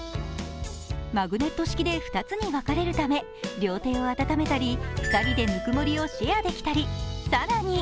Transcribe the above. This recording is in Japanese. マグネット式で２つに分かれるため両手を温めたり、２人でぬくもりをシェアできたり。